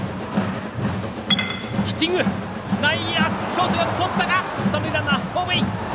ショート、よくとったが三塁ランナー、ホームイン。